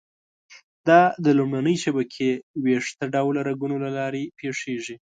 دا د لومړنۍ شبکې ویښته ډوله رګونو له لارې پېښېږي.